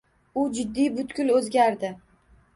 U jiddiy butkul oʻzgardi.